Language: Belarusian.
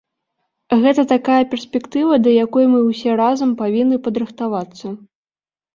Гэта такая перспектыва, да якой мы ўсе разам павінны падрыхтавацца.